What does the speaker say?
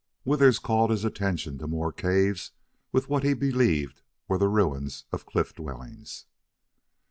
Withers called his attention to more caves with what he believed were the ruins of cliff dwellings.